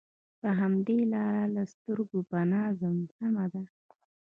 پر همدې لاره له سترګو پناه ځم، سمه ده.